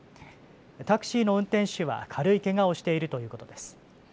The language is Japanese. タクシーの運転手は軽いけがをしているということです。